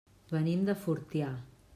Venim de Fortià.